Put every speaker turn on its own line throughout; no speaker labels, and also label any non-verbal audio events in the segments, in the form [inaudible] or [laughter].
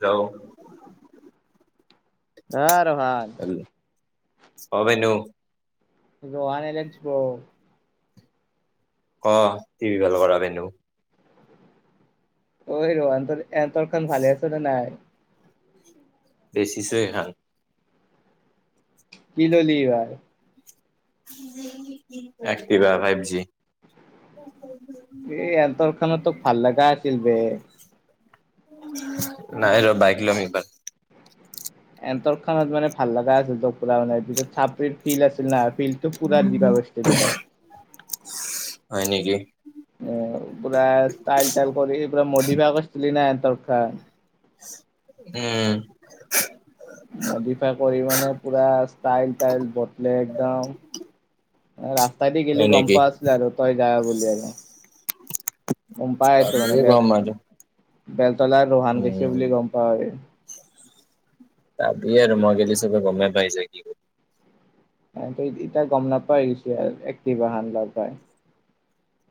যাওঁ।
ৰহ আৰু ভাল।
অভেনো।
আনোই ল [unintelligible]
ক? টিভি ভাল কৰা মেনু।
ঐ ৰোহন হতৰ এন্তৰ্ক খন ভালে আছ নে নাই?
বেচিছে এইখান।
কি ললি এইবাৰ?
এক্সিভা ফাইভ জি।
এই এন্তক খানাতো ভাল লগা আছিল বে।
নাই ৰবা বাইক লম এই বাৰ।
এন্তৰ খানত মানে ভাল লগা আছিল পোৰা মানে ফিল্ড আছিল না ফিল্ টোক পোৰা দিবা পাছিলি তই।
হয় নেকি?
এ পুৰা টাইল-টাইল কৰি পুৰা মদিফাই কৰিছিলি না এনতৰ্ক খান।
উম,
মডিফাই কৰি মানে পুৰা ষ্টাইল-টাইল বটলেই একদম ৰাস্তাই দি গেলি
হয়
গম
নেকি
পোৱা আছিলে আৰু তই যাব বুলি আৰু। উম, পায়টো মানে
পাবিয়ে
বে
গম আৰু
বেলতলাৰ ৰোহান গৈছে
উম
বুলি গম পায়।
পাবিয়ে আৰু মই গিলে চবে গমে পাই যাই কি হয়।
ত এতিয়া গম নাপাই হৈ গৈছোঁ আৰু এক্টিভা খান ল পাই।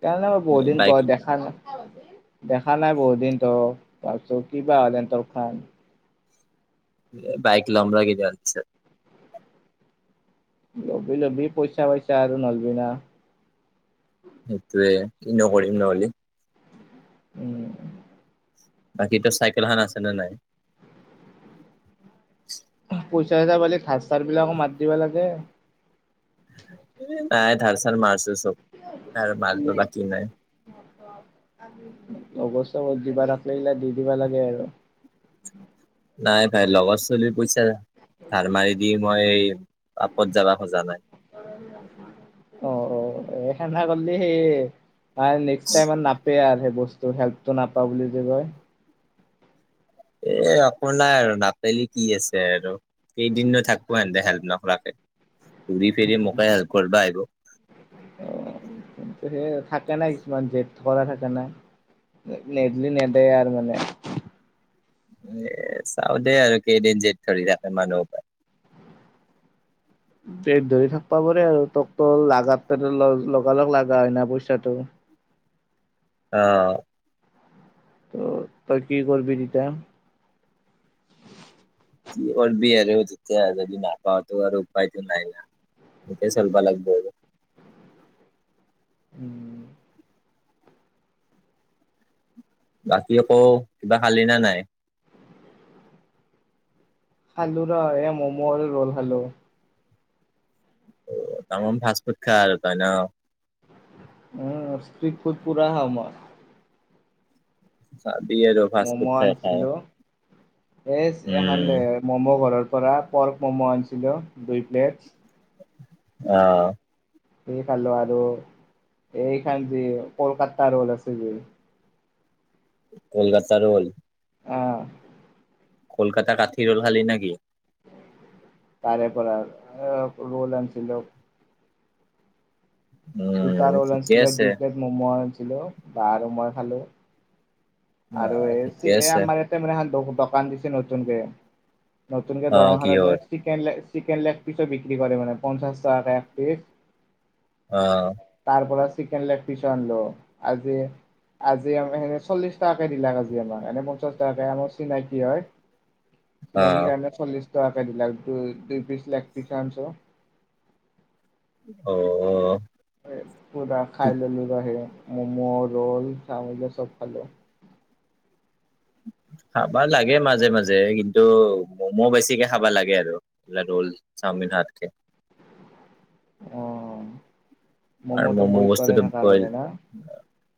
তে মই বহুত দিন ক
বাইক
দেখা নাই। দেখা নাই বহুত দিন তো, তাৰিছ কিবা হলে তৰ খান?
বাইক লম ৰ কেইদিন মানৰ পিছত
লবি-লবি পইচা পাইছা আৰু নলবি না।
সেইটোৱে কিনো কৰিম নহলি।
উম,
বাকী তো চাইকেল খান আছে না নাই?
পইচা এটা বলে সাজ চাৰ বিলাকো মাত দিব লাগে।
নাই ধাৰ চাৰ মাৰছো চব, তা ধাৰটো বাকি নাই।
অৱস্থাত দিবা [inaudible] দি দিবা লাগে আৰু।
নাই ভাই লগৰ চলিৰ পইচা ধাৰ মাৰি দি মই এই পাপত যাবা খোজা নাই।
অ অ এই সেধা কৰিল সেই নেক্স টাইম নাপ বেয়াৰ সেই বস্তু হেল্পটো নাপাওঁ বুলি যে কয়।
এ একো নাই আৰু নাপেলি কি আছে আৰু। কেইদিনো থাকো সেহতে হেল্প নকৰাকে, ঘূৰি ফিৰি মোকে হেল্প কৰিবা আহিব।
অ সেই থাকে না কিছুমান জেদ কৰা থাকে নাই। নেদলি নেদে আৰ মানে।
এ চাও দেই আৰু কেইদিন যেদ ধৰি থাকে মানুহৰ পৰা।
পেট ধৰি থাকব পৰে আৰু তোক তোক লগাত লগাল লগ লগা হয় না পইচাটো।
অ।
ত তই কি কৰবি তিতা?
কি কৰবি আৰু তেতিয়া যদি নাপাওঁটো আৰু উপায়তো নাই না। এ চেলবা লাগব আৰু।
[inaudible]
বাকী আকৌ কিবা খালি না নাই?
খালো ৰ এ ম'ম' আৰু ৰ'ল খালো।
অ তামাম ফাষ্ট ফুড খা আৰু তই ন?
উম ষ্ট্ৰীত ফুড পুৰা খাওঁ মই।
চাবি আৰু। ফাষ্ট
ম'ম'
ফুড খাই খাই
আনিছিলো, এই
উম
এখানতে ম'ম' ঘৰৰ পৰা, পৰ্ক ম'ম' আনিছিলোঁ দুই প্লেট।
অ।
খালো আৰু এই খান যে কলকাতা ৰ'ল আছে যে?
কলকাতা ৰ'ল।
অ।
কলকাতা কাঠি ৰল খালি না কি?
তাৰে পৰা ৰল আনছিলো। দুটা
উম
ৰ'ল
ঠিকে
আনিছিলো,
আছে
দুই প্লেট ম'ম' আনিছিলোঁ বা আৰু মই খালোঁ।
অ
আৰু এই
ঠিকে আছে
আমাৰ মানে এ ব দোকান দিছে নতুনকে, নতুনকে
অ
দোকানখনত
কিহৰ
মানে চিকেন লে চিকেন লেগ পিচো বিক্ৰী কৰে মানে পঞ্চাশ টকা এক পিচ।
অ।
তাৰ পৰা চিকেন লেগ পিছ আনলো, আজি আজি চল্লিচ তাকে দিলাক আজি আমাক এনে পঞ্চাশ টাকে আমাৰ চিনাকি হয়, চিনাকী
অ',
কাৰণে চল্লিশ টকাকে দিলাক দু দুই পিচ লেগ পিছ আনছ।
অ অ।
পুৰা খাই ললো ৰ ম'ম', ৰোল চাউ চব খালো।
খাবা লাগে মাজে মাজে কিন্তু ম'ম' বেছিকে খাবা লাগে আৰু। মানে ৰল চাউমিন হাতকে।
অ।
আৰু
ম'ম'টো
মম'
বইল কৰে
বস্তুটো
থকা
বইল
কাৰণে না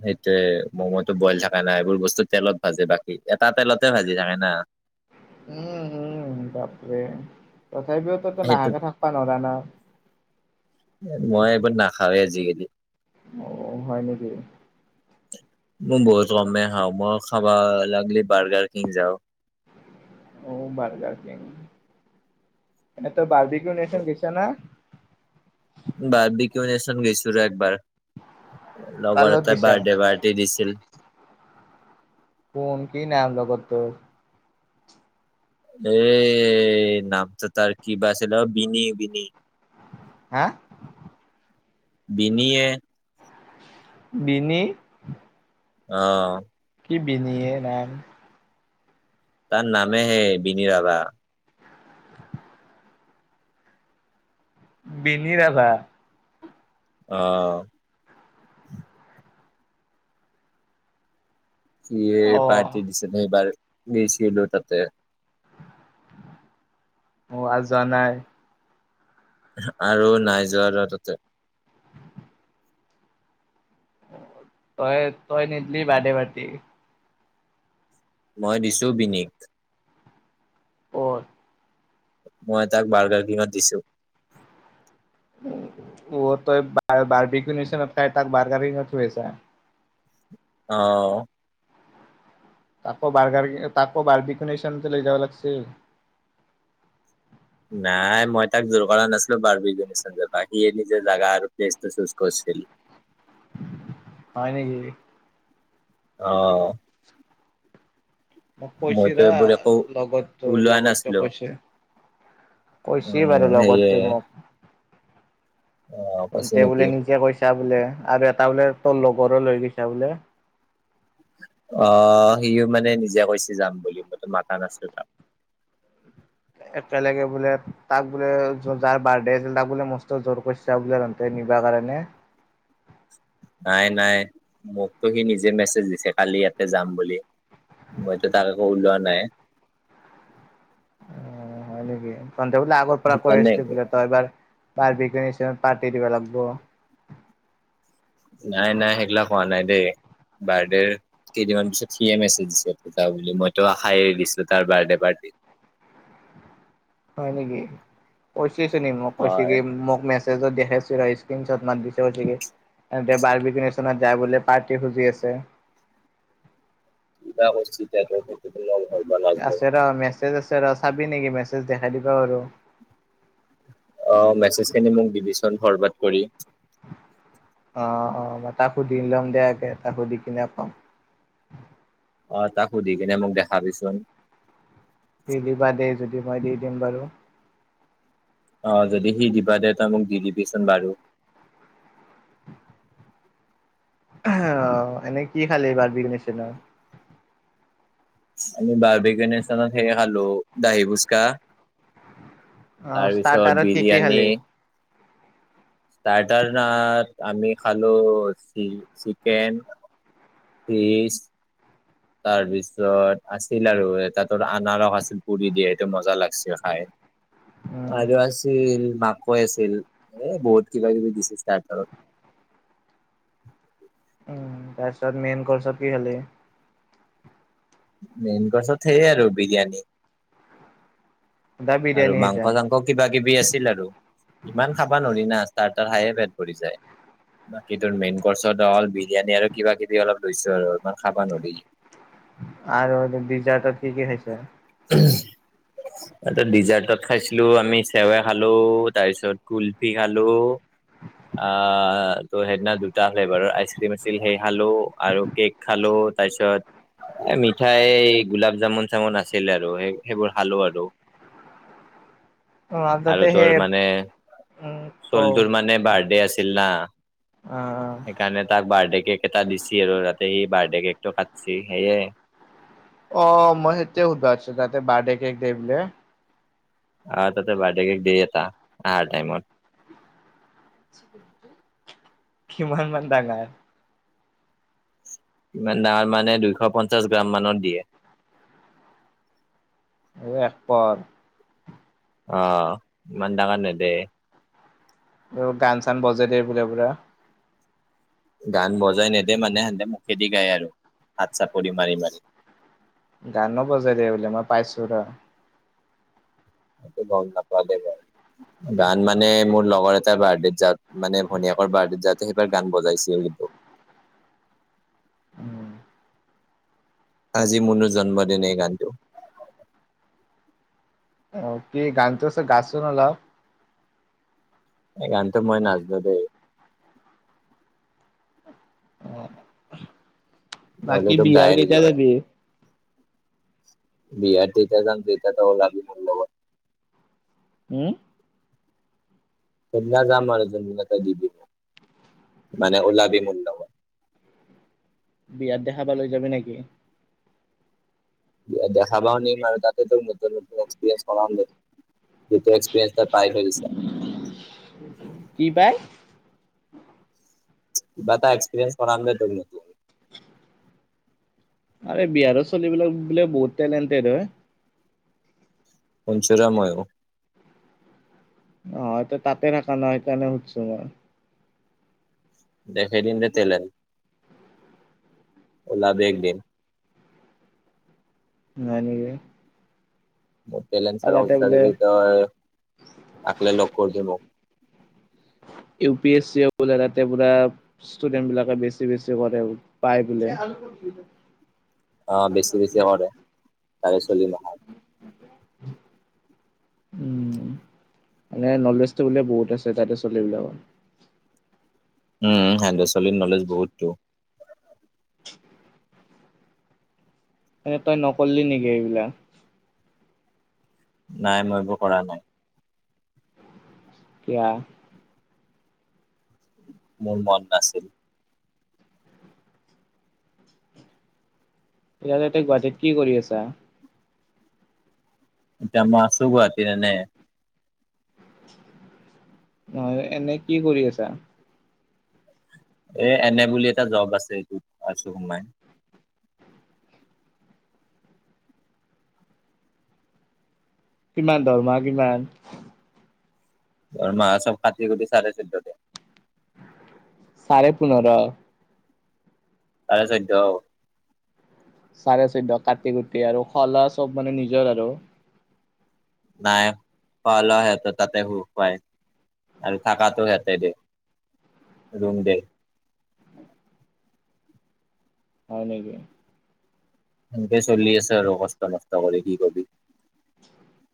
সেইটোয়ে ম'ম'টো বইল থাকে না এইবোৰ বস্তু তেলত ভাজে বাকী এটা তেলতে ভাজি থাকে না।
উম উম বাপৰে তথাপিও ত
সেইটোত
নাখাকে থাকবা নোৱাৰা না?
মই এইবোৰ নাখাওঁৱে আজিকালি।
অ হয় নেকি?
মোৰ বহুত কমে খাওঁ মই খাব লাগলি বাৰ্গাৰ কিং যাও।
অ বাৰগাৰ কিং এইটো বাৰ্গী [unintelligible] দিছা না।
বাৰ্বিকিও নেচন গৈছোঁলো একবাৰ,
কাৰ
লগৰ
লগত
এটাই
গেইছা
বাৰ্থডে পাৰ্টি দিছিল।
কোন কি নাম লগৰটোৰ।
এই নামটো তাৰ কি বা আছিল, অ', বিনি- বিনি।
হা।
বিনিয়ে।
বিনি।
অ'।
কি বিনিয়ে নাম।
তাৰ নামে সেই বিনি ৰাভা।
বিনি ৰাভা।
অ'। সিয়ে
অ
পাৰ্টি দিছিল এইবাৰ [unintelligible] তাতে।
অ', আৰু যোৱা নাই।
আৰু নাই যোৱা ৰ তাতে।
তই- তই নিদলি বাৰ্থডে পাৰটি।
মই দিছো বিনিক।
ক'ত।
মই তাক বাৰ্গাৰ কিঙত দিছো।
অ', তই বাৰ বাৰবিকিউ নেচনত খাই তাক বাৰ্গাৰ কিঙত খুৱাইছা।
অ'।
তাকো বাৰগাৰ তাকো বাৰবিউকিউ নেচনতে লৈ যাব লাগিছিল।
নাই, মই তাক জোৰ কৰা নাছিলো বাৰবিকিও নেচন জাবা, সিয়ে নিজে জাগা আৰু প্লেচটো চুজ কৰিছিল।
হয় নেকি।
অ'।
মোক কৈছে
মইতো
ৰ,
এইবোৰ একো
লগৰটো,
ওলোৱা
লগৰটোৱে
নাছিলো
কৈছে। কৈছ বাৰু
উম সেয়ে
লগৰটোৱে মোক।
অ কৈছে
তহঁতে বোলে
নেকি
নিজে কৈছা বোলে আৰু এটা বোলে তোৰ লগৰো লৈ গৈছা বোলে।
অ', সিও মানে নিজে কৈছে যাম বুলি, মইতো মাতা নাছিলো তাক।
একেলগে বোলে তাক বোলে, যাৰ বাৰডে আছিল তাক বোলে মস্ত জুৰ কৰচ চা বোলে তহঁতে নিবা কাৰণে।
নাই- নাই, মোকতো সি নিজে মেছেজ দিছে কালি ইয়াতে যাম বুলি। মইতো তাক আকৌ উলোৱা নাই।
অ' হয় নেকি, তহঁতে বোলে আগৰ পৰা কৈ
সেইকাৰণে
আছিলি বোলে তই এবাৰ বাৰ্বিকিও নেচনত পাৰ্টি দিব লাগব।
নাই-নাই সেইগিলা কোৱা নাই দেই, বাৰদেৰ কেইদিনমান পিছত সিয়ে মেছেজ দিছিল [unintelligible] বুলি, মইতো আশাই দিছিলো তাৰ বাৰ্থডে পাৰ্টি
হয় নেকি, [unintelligible] নি মোক কৈছে
হয়
কি মোক মেচ চেজত দেখাইচো ৰ, স্কিন চট মাৰি দিচে [unintelligible] সিহঁতে বাৰবিকিও নেচনত যায় বোলে, পাৰ্টি খুজি আছে।
[unintelligible] ধৰিব লাগব
আছে ৰ মেছেজ আছে ৰ, চাবি নেকি মেছেজ দেখাই দিবা পাৰো।
অ', মেছেজ খিনি মোক দিবিচোন ফৰৱড কৰি।
অ', অ', মই তাক সুধি ল'ম দে আগে, তাক সুধি কিনে কম।
অ', তাক সুধি কিনে মোক দেখাবিচোন।
সি দিবা দিয়ে যদি মই দি দিম বাৰু।
অ', যদি সি দিবা দিয়ে তই মোক দি দিবিচোন বাৰু।
অ', এনেই কি খালি বাৰ্বিকিউ নেচণত।
আমি বাৰবিকিও নেচনত সেই খালোঁ, দাহি ফুচকা। তাৰ
অ',
পিছত
ষ্টাৰ্টাৰত কি-কি
বিৰিয়ানী
খালি?
ষ্টাৰ্টাৰনত আমি খালো চিলি চিকেন। [unintelligible] তাৰপিছত আছিল আৰু তাতৰ আনাৰস আছিল পুৰি দিয়ে সেইটো মজা লাগিছে খাই।
[inaudible]
আৰু আছিল মাকৈ আছিল এ বহুত কিবা কিবি দিছিল ষ্টাৰ্টাৰত।
উম, তাৰ পিছত মেইন কৰ্চত কি খালি।
মেইন কৰ্চত সেই আৰু বিৰিয়ানী
সুধা
আৰু
বিৰিয়ানী খাইছা
মাংস চাংস, আকৌ কিবা কিবি আছিল আৰু ইমান খাবা নোৱাৰি না ষ্টাৰ্টাৰ খায়ে পেট ভৰি যায়। বাকী তোৰ মেইন কৰ্চত অল বিৰিয়ানী আৰু কিবা কিবি অলপ লৈছো আৰু ইমান খাবা নোৱাৰি।
আৰু ডিজাৰত কি কি খাইছা।
উম, ত ডিজাৰ্টত খাইছিলো আমি চেৱৈ খালো, তাৰপিছত কুলফি খালো, আহ ত' সেইদিনা দুটা ফ্লেভাৰৰ আইচক্ৰীম আছিল সেই খালো, আৰু কেক খালো, তাৰ পিছত এ মিঠাই গোলাপ জামুন চামুন আ ছিল আৰু সেই সেইবোৰ খালো আৰু
অ
আৰু
তাতে
তোৰ
সেই
মানে
উম ক
ছোৱালীটোৰ মানে বাৰ্থডে আছিল না।
অ অ
সেইকাৰণে তাক বাৰ্থডে কেক এটা দিছে আৰু তাতে সি বাৰ্থডে কেকটো কাটিছে সেয়ে।
অ মই সেইটোৱে সুধবা আছো তাতে বাৰ্থডে কেক দে বোলে।
অ ত বাডদে কেক এটা হ টাইমত।
কিমান মান ডাঙৰ,
ইমান ডাঙৰ মানে দুইশ পঞ্চাশ গ্ৰাম মানত দিয়ে।
[unintelligible]
অ, ইমান ডাঙৰ নিদে।
আৰু গান চান বজে দিয় বোলে বুৰা,
গান বজাই নেদে মানে সিহতে মুখেদি গায় আৰু হাত চাপৰি মাৰি মাৰি।
গানো বজাই দিয়ে বোলে মই পাইছো ৰ,
গম নাপাও দে মই। গান মানে মোৰ লগৰ এটাৰ বাৰ্থডেত যাত মানে ভনীয়েকৰ বাৰ্থডেত যাতে সেইবাৰ গান বজাইছিল কিন্তু।
উম
আজি মোনো জন্মদিন এই গানটো।
অ কি গানটো গাচো অলপ।
এই গানটো মই নাজানো দেই। নহ'লে
বাকী
তোক
বিহাৰ
গায়ে দিলো
কেতিয়া
হয়
যাবি।
বিহাৰ তেতিয়া যাম যেতিয়া তই ওলাবি মোৰ লগত,
উম,
সেইদিনা যাম আৰু যোনবিলাকে দিব মানে ওলাবি মোৰলগত।
বিয়াত দেখাবা লৈ যাবি নেকি।
দেখা পও নিম আৰু তাতে তো নতুন নতুন এক্সৰিয়েঞ্চ কৰাও ন। সেইটো এ্সপিৰিয়ন্ছ ত পাই থৈ দিছে।
কি পায়।
কিবা এটা একসপিৰিয়ন্ছ কৰাম দেই ধৰি ল।
আৰে বিহাৰৰ ছোৱালী বিলাক বোলে বহুত টেলেণ্টেড হয়।
পঞ্চুৰাময় হয়।
অ তাতে থকা ন সেইকাৰণে সুধছো মই।
দেখেই দিন যে তেলে ওলাবি একদিন।
নাই নেকি।
ম তেলেন্ট
আৰু তাতে বোলে
উৎসাহৰিত আহিলে লগ কৰিবি মোক।
ইউ পি এছ চিওতে পুৰা ষ্টুডেন্ট বিলাকে বেছি বেছি কৰে পায় বোলে।
অ বেছি বেছি কৰে তাৰে ছোৱালী।
উম মানে নলেজটো বোলে বহুত আছে তাতে ছোৱালীবিলাকৰ।
উম উ উ, হেন্দু ছোৱালীৰ নলেজ বহুততো।
মানে তই নকৰলি নেকি এইবিলাক।
নাই মই এইবোৰ কৰা নাই।
কিয়া?
মোৰ মন নাছিল।
তেতিয়াহ'লে তয় গুৱাহাটীত কি কৰি আছা?
এতিয়া মই আছো গুৱাহাটীত এনেই।
নহয়, এনে কি কৰি আছা?
এ এনে বুলি এটা জব আছে এইটোত আছো সোমাই।
কিমান দৰমহা কিমান?
[unintelligible]
চাৰে পোন্ধৰ।
চাৰে চৈধ্য।
চাৰে চৈধ্য কাটি কুটি আৰু খলা চব মানে নিজৰ আৰু
নাই পাল হ ত তাতে হ পাই। আৰু থাকাটো ইয়াতে দিয়ে ৰুম দে।
হয় নেকি।
সেনেকে চলি আছে আৰু কষ্ট-মষ্ট কৰি কি কৰবি।
ছুও।